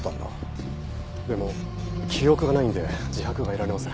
でも記憶がないんで自白が得られません。